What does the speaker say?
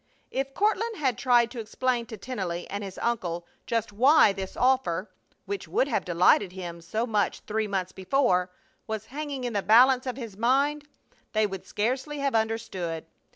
If Courtland had tried to explain to Tennelly and his uncle just why this offer, which would have delighted him so much three months before, was hanging in the balance of his mind, they would scarcely have understood.